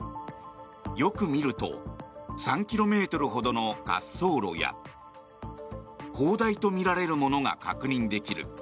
よく見ると３ｋｍほどの滑走路や砲台とみられるものが確認できる。